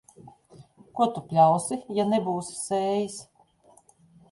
Ko tu pļausi, ja nebūsi sējis.